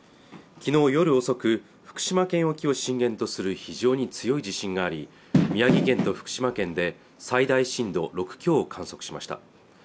昨日夜遅く福島県沖を震源とする非常に強い地震があり宮城県と福島県で最大震度６強を観測しました